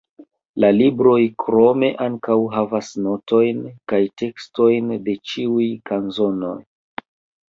La libroj krome ankaŭ havas notojn kaj tekstojn de ĉiuj kanzonoj.